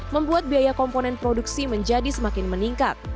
membuat biaya komponen produksi menjadi semakin meningkat